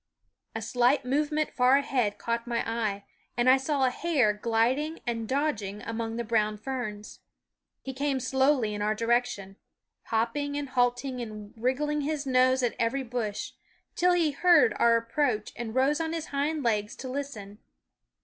A slight movement far ahead caught my eye, and I saw a hare gliding and dodging among the brown ferns. He came slowly in our direction, hopping and halting and wig gling his nose at every bush, till he heard our approach and rose on his hind legs to listen.